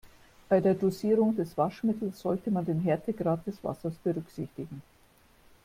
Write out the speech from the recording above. Bei der Dosierung des Waschmittels sollte man den Härtegrad des Wassers berücksichtigen.